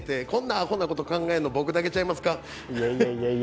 こんなあほなこと考えるの、僕だけちゃいますか。